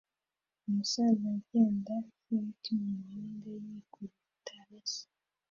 Umusaza ugenda ferrett mumuhanda yikubita hasi